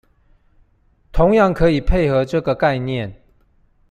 同樣可以配合這個概念